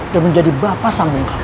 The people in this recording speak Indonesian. dan menjadi bapak samping kamu